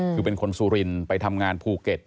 คือเป็นคนสุรินไปทำงานภูเก็ต